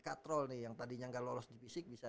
katrol nih yang tadinya gak lolos di fisik bisa